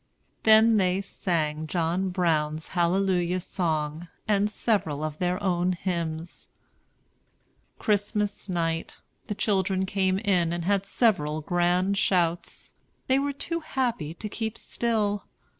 Then they sang John Brown's Hallelujah Song, and several of their own hymns. Christmas night, the children came in and had several grand shouts. They were too happy to keep still.